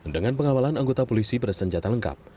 dengan pengawalan anggota polisi bersenjata lengkap